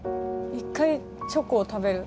一回チョコを食べる。